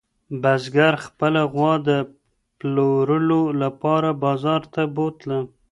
بزګر خپله غوا د پلورلو لپاره بازار ته بوتله.